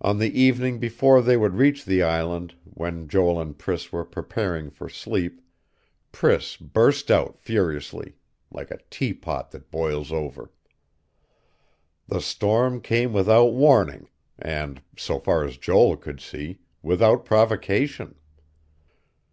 On the evening before they would reach the island, when Joel and Priss were preparing for sleep, Priss burst out furiously, like a teapot that boils over. The storm came without warning, and so far as Joel could see without provocation.